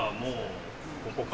ここか。